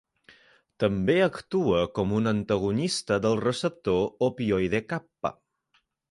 També actua com un antagonista del receptor opioide kappa.